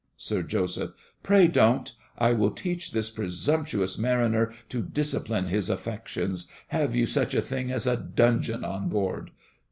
SIR JOSEPH. Pray, don't. I will teach this presumptuous mariner to discipline his affections. Have you such a thing as a dungeon on board?